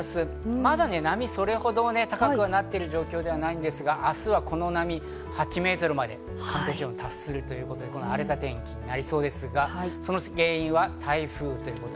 まだ波はそれほど高くなっている状況ではないんですが、明日はこの波、８ｍまで達するということで、荒れた天気になりそうですが、その原因は台風。